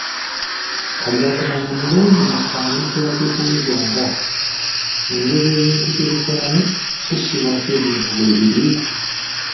Kannakumanya mulungi mu kwanukula bibuuzo nga: engeri ebintu gye bikolamu so ssi lwaki ebintu weebiri?